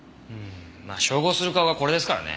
まあ照合する顔がこれですからね。